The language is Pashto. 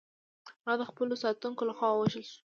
هغه د خپلو ساتونکو لخوا ووژل شوه.